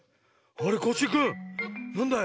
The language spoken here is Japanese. あれコッシーくんなんだい？